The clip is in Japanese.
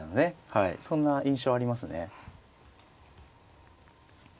はいそんな印象ありますね。